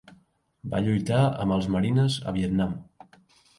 Va lluitar amb els marines a Vietnam.